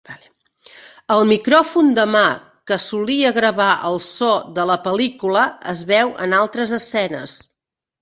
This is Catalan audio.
El micròfon de mà que solia gravar el so de la pel·lícula es veu en altres escenes.